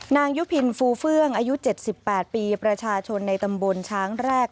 ยุพินฟูเฟื่องอายุ๗๘ปีประชาชนในตำบลช้างแรก